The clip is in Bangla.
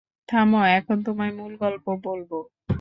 থামো, এখন তোমায় মূল গল্প বলব?